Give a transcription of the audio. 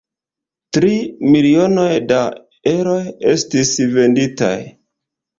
Tri milionoj da eroj estis venditaj.